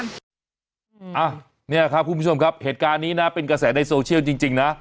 เนี่ยครับคุณผู้ชมครับเหตุการณ์นี้นะเป็นกระแสในโซเชียลจริงนะ